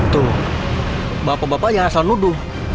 tuh bapak bapak jangan asal nuduh